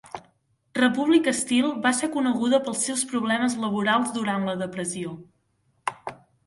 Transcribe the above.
Republic Steel va ser coneguda pels seus problemes laborals durant la depressió.